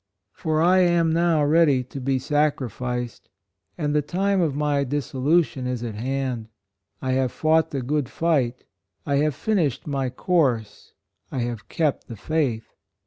"For I am now ready to be sacrificed, and the time of my dissolution is at hand. I have fought the good fight: I have finished my course: I have kept the faith.